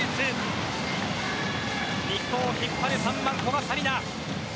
日本を引っ張る３番古賀紗理那。